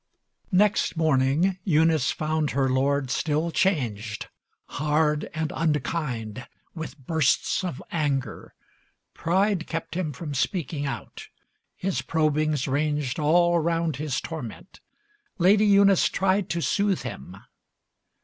LV Next morning Eunice found her Lord still changed, Hard and unkind, with bursts of anger. Pride Kept him from speaking out. His probings ranged All round his torment. Lady Eunice tried To sooth him.